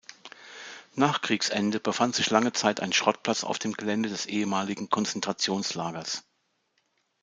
Nach Kriegsende befand sich lange Zeit ein Schrottplatz auf dem Gelände des ehemaligen Konzentrationslagers.